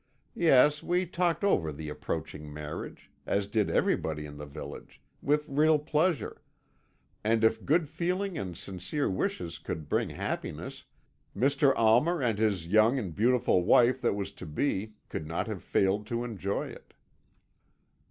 Yes, we talked over the approaching marriage, as did everybody in the village, with real pleasure, and if good feeling and sincere wishes could bring happiness, Mr. Almer and his young and beautiful wife that was to be could not have failed to enjoy it.